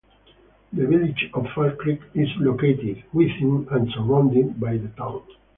The village of Fall Creek is located within and surrounded by the town.